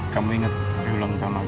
kamu inget hari ulang tahun aku